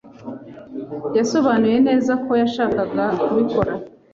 Yasobanuye neza ko yashakaga kubikora.